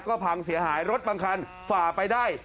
ก็พังเสียหายรถบางคันฝ่าไปได้